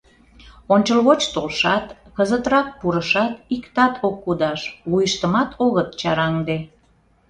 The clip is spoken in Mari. Ончылгоч толшат, кызытрак пурышат иктат ок кудаш, вуйыштымат огыт чараҥде.